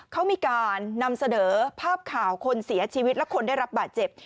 เขามีการนำเสนอภาพข่าวคนเสียชีวิตและคนได้รับบาดเจ็บ